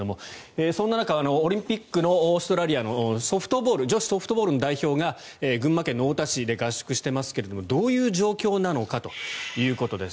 そんな中、オリンピックのオーストラリアの女子ソフトボールの代表が群馬県の太田市で合宿していますがどういう状況なのかということです。